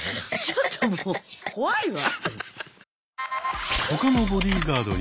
ちょっともう怖いわ。